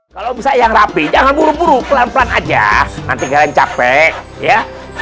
kalau bisa yang rapi jangan buru buru pelan pelan aja nanti jalan capek ya